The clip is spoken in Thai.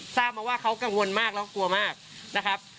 ทราบมาว่าเขากังวลมากแล้วกลัวมากนะครับ